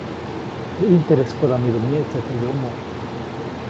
Teʼ ʼintereskoda midu myeʼtse teʼ yomoʼ.